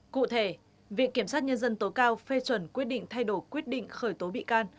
cụ thể viện kiểm sát nhân dân tối cao phê chuẩn quyết định thay đổi quyết định khởi tố bị can